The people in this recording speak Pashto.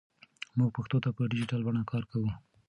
موږ پښتو ته په ډیجیټل بڼه کار کوو.